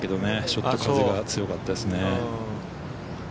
ちょっと風が強かったですね。